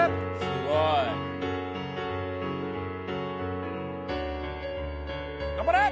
すごい頑張れ！